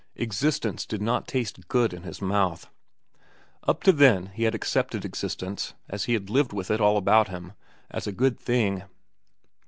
Existence did not taste good in his mouth. Up to then he had accepted existence, as he had lived it with all about him, as a good thing.